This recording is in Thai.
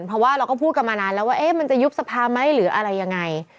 เพราะว่าเราก็พูดกันมานานแล้วว่ามันจะยุบสภาไหมหรืออะไรยังไง